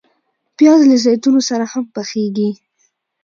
پیاز له زیتونو سره هم پخیږي